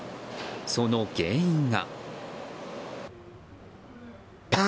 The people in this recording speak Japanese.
その原因が。